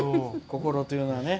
心というのはね。